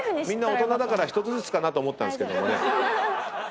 みんな大人だから１つずつかなと思ったんですけどもね。